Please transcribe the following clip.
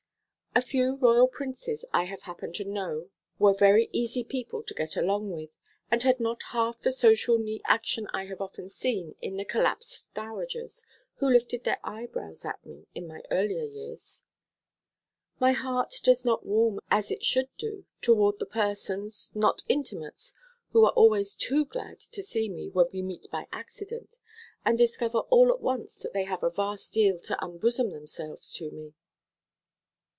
The few Royal Princes I have happened to know were very easy people to get along with, and had not half the social knee action I have often seen in the collapsed dowagers who lifted their eyebrows at me in my earlier years. My heart does not warm as it should do toward the persons, not intimates, who are always too glad to see me when we meet by accident, and discover all at once that they have a vast deal to unbosom themselves to me.